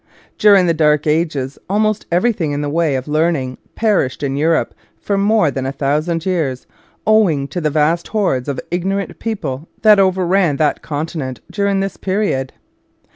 Dur ing the Dark Ages almost everything in the way of learning perished in Europe for more than 1,000 years, owing to the vast hordes of ignorant people that overran that continent during this period.